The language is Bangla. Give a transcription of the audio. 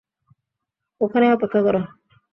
ওখানেই অপেক্ষা করো।